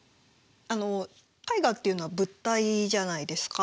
あの絵画っていうのは物体じゃないですか。